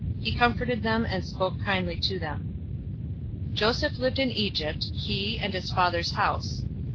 He comforted them, and spoke kindly to them. 050:022 Joseph lived in Egypt, he, and his father's house.